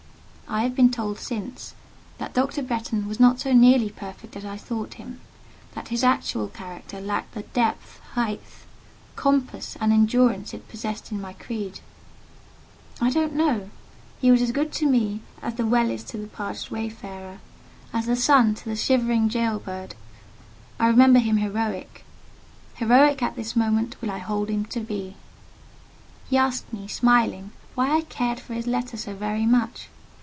I have been told since that Dr. Bretton was not nearly so perfect as I thought him: that his actual character lacked the depth, height, compass, and endurance it possessed in my creed. I don't know: he was as good to me as the well is to the parched wayfarer—as the sun to the shivering jailbird. I remember him heroic. Heroic at this moment will I hold him to be. He asked me, smiling, why I cared for his letter so very much.